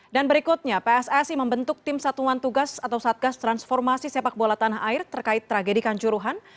dan berikutnya pssi membentuk tim satuan tugas atau satgas transformasi sepak bola tanah air terkait tragedikan curuhan